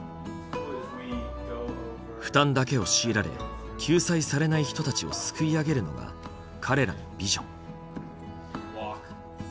負担だけを強いられ救済されない人たちをすくい上げるのが彼らのビジョン。